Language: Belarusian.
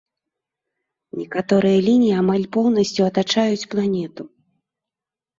Некаторыя лініі амаль поўнасцю атачаюць планету.